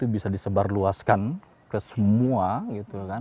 bisa disebarluaskan ke semua